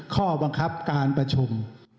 ข้อบังคับการประชุม